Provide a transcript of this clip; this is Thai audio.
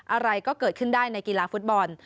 อะไรก็เกิดขึ้นได้ในกีฬาฟุตบอล